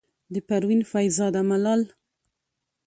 د پروين فيض زاده ملال،